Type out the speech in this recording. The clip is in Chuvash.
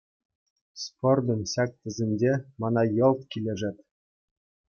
Спортӑн ҫак тӗсӗнче мана йӑлт килӗшет.